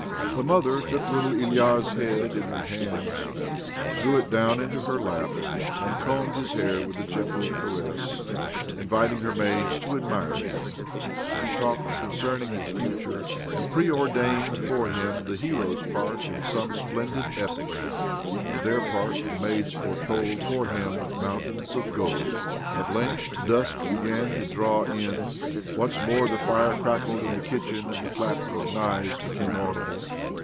The mother took little Ilya's head in her hands, drew it down into her lap, and combed his hair with a gentle caress as, inviting her maids to admire him, she talked concerning his future, and preordained for him the hero's part in some splendid epic. For their part, the maids foretold for him mountains of gold. At length dusk began to draw m . Once more the fire crackled in the kitchen, and the clatter of knives became audible